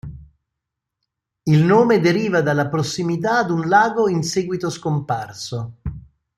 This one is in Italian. Il nome deriva dalla prossimità ad un lago in seguito scomparso.